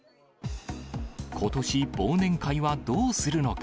ことし、忘年会はどうするのか。